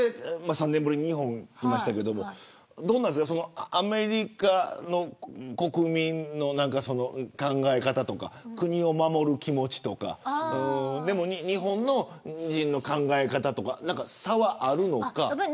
３年ぶりの日本ですがどうなんですかアメリカの国民の考え方とか国を守る気持ちとか日本人の考え方とか差はあるのか。